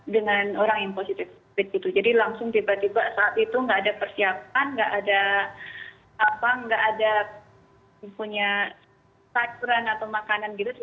jadi langsung tiba tiba saat itu nggak ada persiapan nggak ada apa nggak ada punya sakuran atau makanan gitu